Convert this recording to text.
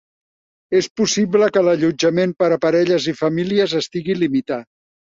És possible que l'allotjament per a parelles i famílies estigui limitat.